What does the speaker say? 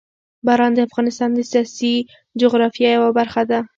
باران د افغانستان د سیاسي جغرافیه یوه برخه ده.